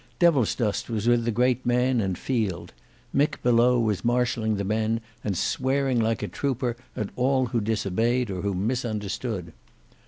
Devilsdust was with the great man and Field; Mick below was marshalling the men, and swearing like a trooper at all who disobeyed or who misunderstood.